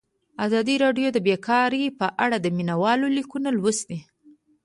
ازادي راډیو د بیکاري په اړه د مینه والو لیکونه لوستي.